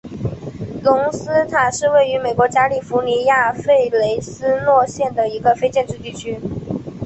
隆斯塔是位于美国加利福尼亚州弗雷斯诺县的一个非建制地区。